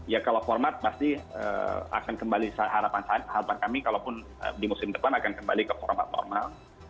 ya kalau format pasti akan kembali harapan kami kalaupun di musim depan akan kembali ke format normal